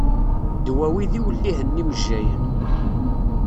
Ddwawi d iwellihen n yimejjayen.